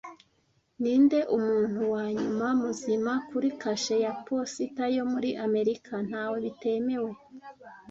Ninde muntu wa nyuma muzima kuri kashe ya posita yo muri Amerika Ntawe bitemewe